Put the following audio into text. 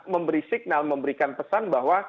memberi signal memberikan pesan bahwa